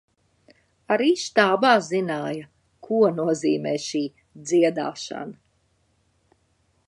Arī štābā zināja, ko nozīmē šī dziedāšana.